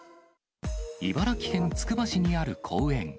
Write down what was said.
茨城県つくば市にある公園。